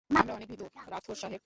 আমরা অনেক ভীতু, রাথোর সাহেব।